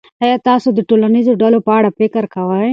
آیا تاسو د ټولنیزو ډلو په اړه فکر کوئ.